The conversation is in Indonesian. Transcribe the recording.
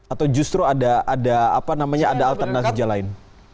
atau justru ada alternatif jalan lain